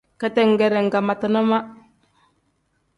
Ketengere nkangmatina ma.